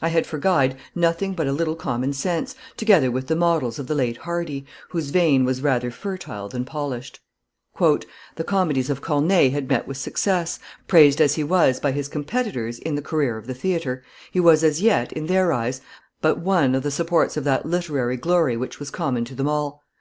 I had for guide nothing but a little common sense, together with the models of the late Hardy, whose vein was rather fertile than polished." "The comedies of Corneille had met with success; praised as he was by his competitors in the career of the theatre, he was as yet, in their eyes, but one of the supports of that literary glory which was common to them all.